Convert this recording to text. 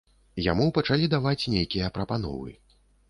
Яму пачалі даваць нейкія прапановы.